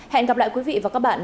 hẹn gặp lại quý vị và các bạn